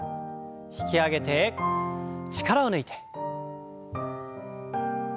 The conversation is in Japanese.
引き上げて力を抜いて。